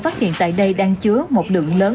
phát hiện tại đây đang chứa một lượng lớn